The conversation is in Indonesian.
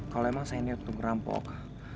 kalau emang saya niat untuk ngerampok